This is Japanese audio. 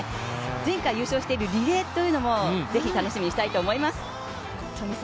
前回優勝しているリレーもぜひ楽しみにしたいと思います。